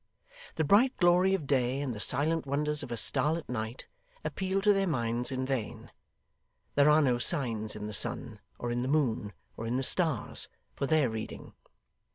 The bright glory of day, and the silent wonders of a starlit night, appeal to their minds in vain. There are no signs in the sun, or in the moon, or in the stars, for their reading.